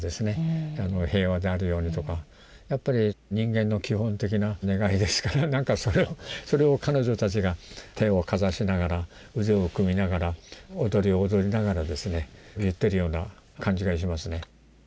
平和であるようにとかやっぱり人間の基本的な願いですからなんかそれを彼女たちが手をかざしながら腕を組みながら踊りを踊りながらですね言ってるような感じがしますね。